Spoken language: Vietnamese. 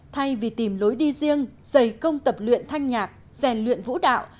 thay vì tìm lối đi riêng dày công tập luyện thanh nhạc rèn luyện vũ đạo